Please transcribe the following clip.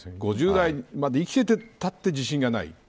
５０代まで生きてたって自信がない。